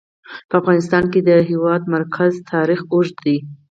په افغانستان کې د د هېواد مرکز تاریخ اوږد دی.